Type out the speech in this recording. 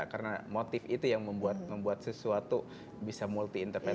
karena motif itu yang membuat sesuatu bisa multi interpretasi